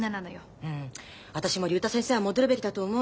うん私も竜太先生は戻るべきだと思うな。